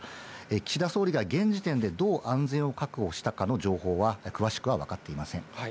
岸田総理が現時点で、どう安全を確保したかの情報は、詳しくは分かっていません。